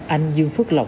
anh dương phúc lập